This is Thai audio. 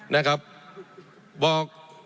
นะครับบอก